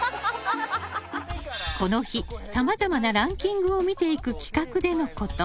この日さまざまなランキングを見ていく企画でのこと。